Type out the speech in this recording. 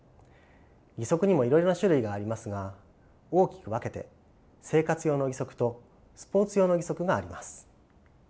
義足にもいろいろな種類がありますが大きく分けて生活用の義足とスポーツ用の義足があります。